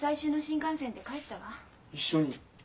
一緒に？